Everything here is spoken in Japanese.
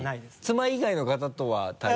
妻以外の方とは対戦。